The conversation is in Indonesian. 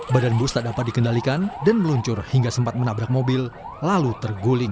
badan bus tak dapat dikendalikan dan meluncur hingga sempat menabrak mobil lalu terguling